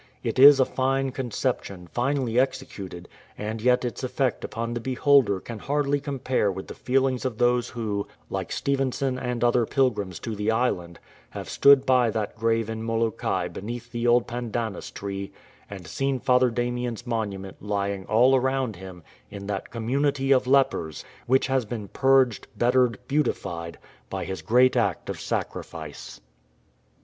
It is a fine con ception, finely executed ; and yet its effect upon the beholder can hardly compare with the feelings of those who, like Stevenson and other pilgrims to the island, have stood by that grave in Molokai beneath the old pandanus tree and seen Father Damien's monument lying 308 AN ACKNOWLEDGMENT all around him in that community of lepers, which has been "purged, bettered, beautified" by his great act of sacrifice.